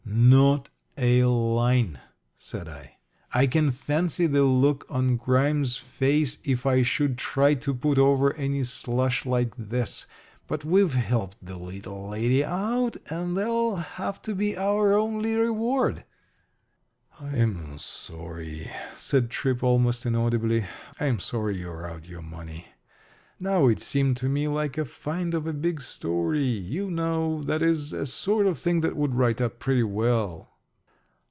"Not a line," said I. "I can fancy the look on Grimes' face if I should try to put over any slush like this. But we've helped the little lady out, and that'll have to be our only reward." "I'm sorry," said Tripp, almost inaudibly. "I'm sorry you're out your money. Now, it seemed to me like a find of a big story, you know that is, a sort of thing that would write up pretty well."